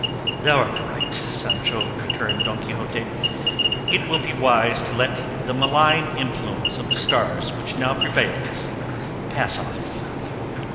"Thou art right, Sancho," returned Don Quixote; "It will be wise to let the malign influence of the stars which now prevails pass off."